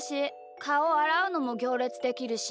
かおあらうのもぎょうれつできるし。